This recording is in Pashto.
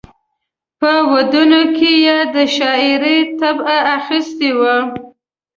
په ودونو کې یې د شاعرۍ طبع اخیستې وه.